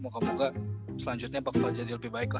moga moga selanjutnya bakal jadi lebih baik lah